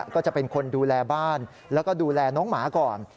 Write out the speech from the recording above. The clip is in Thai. ก็จะเป็นคนดูแลบ้านแล้วก็ดูแลน้องหมาก่อน